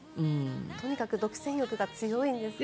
とにかく独占欲が強いんですかね。